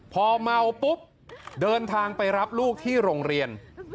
พอเมาปุ๊บเดินทางไปรับลูกที่โรงเรียน